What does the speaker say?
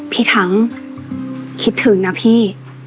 ทั้งคิดถึงนะพี่